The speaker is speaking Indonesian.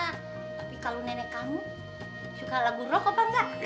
tapi kalau nenek kamu suka lagu rock apa enggak